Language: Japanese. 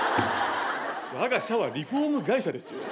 わが社はリフォーム会社ですよ？